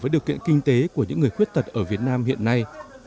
với điều kiện kinh tế của những người khuyết tật ở việt nam hiện nay